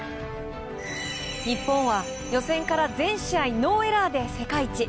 日本は予選から全試合ノーエラーで世界一。